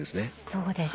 そうですね。